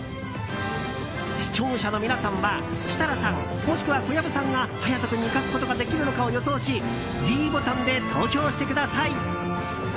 視聴者の皆さんは設楽さん、もしくは小籔さんが勇人君に勝つことができるのかを予想しｄボタンで投票してください。